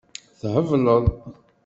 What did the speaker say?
Thebleḍ.